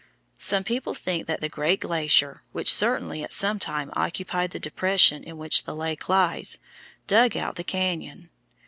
Some people think that the great glacier, which certainly at some time occupied the depression in which the lake lies, dug out the cañon.